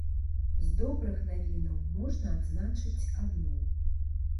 З добрых навінаў можна адзначыць адну.